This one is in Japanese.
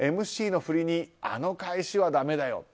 ＭＣの振りにあの返しはだめだよ